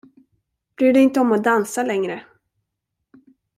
Bry dig inte om att dansa längre!